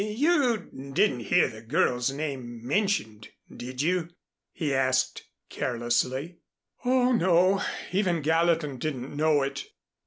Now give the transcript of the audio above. "You didn't hear the girl's name mentioned, did you?" he asked carelessly. "Oh, no, even Gallatin didn't know it."